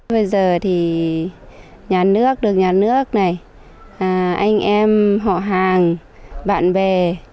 bây giờ thì nhà nước được nhà nước này anh em họ hàng bạn bè